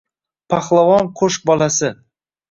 Pahlavon qo‘sh bolasi.